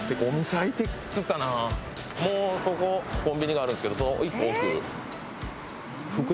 もうここコンビニがあるんですけどその一個奥。